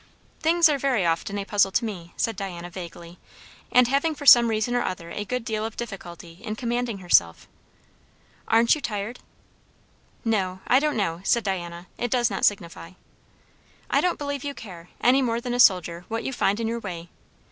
"Things are very often a puzzle to me," said Diana vaguely; and having for some reason or other a good deal of difficulty in commanding herself. "Aren't you tired?" "No I don't know," said Diana. "It does not signify." "I don't believe you care, any more than a soldier, what you find in your way.